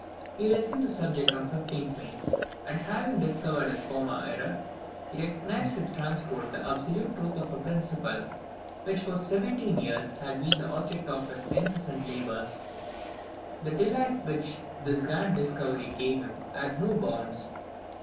He resumed the subject on the 15th May; and having discovered his former error, he recognised with transport the absolute truth of a principle which for seventeen years had been the object of his incessant labours. The delight which this grand discovery gave him had no bounds.